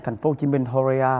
thành phố hồ chí minh horea